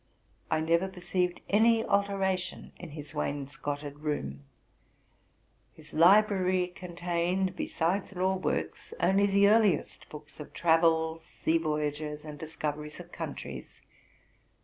I never perceived any alteration in his wainscoted room. His library contained, besides law works, only the earliest books of travels, sea voyages, and discoveries of countries.